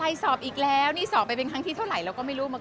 อะไรสอบอีกแล้วนี่สอบไปเป็นทั้งที่เท่าไหร่เราก็ไม่รู้